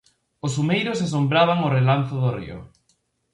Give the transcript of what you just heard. Os umeiros asombraban o relanzo do río.